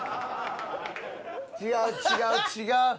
違う違う違う。